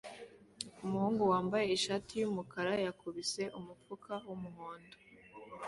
Umuhungu wambaye ishati yumukara yakubise umufuka wumuhondo